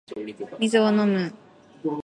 水を飲む